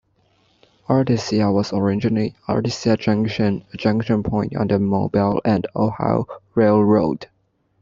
Artesia was originally "Artesia Junction", a junction point on the Mobile and Ohio Railroad.